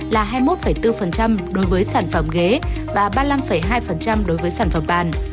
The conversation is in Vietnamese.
là hai mươi một bốn đối với sản phẩm ghế và ba mươi năm hai đối với sản phẩm bàn